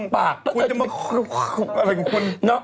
ปรบปากคุณจะมาอะไรกับคุณ